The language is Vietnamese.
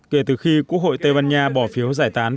kể từ khi quốc hội tây ban nha bỏ phiếu giải tán